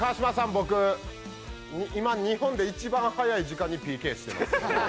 僕、今日本で一番早い時間にＰＫしてます。